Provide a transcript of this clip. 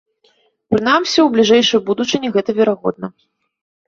Прынамсі, у бліжэйшай будучыні гэта верагодна.